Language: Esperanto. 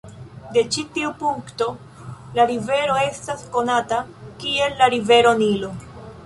De ĉi tiu punkto la rivero estas konata kiel la Rivero Nilo.